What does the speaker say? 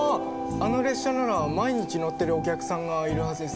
あの列車なら毎日乗ってるお客さんがいるはずです。